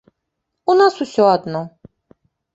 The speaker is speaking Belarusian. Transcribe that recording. У нас усё адно.